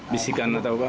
bisikan atau apa